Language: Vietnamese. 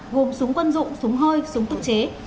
gồm súng quân dụng súng hơi súng tự chế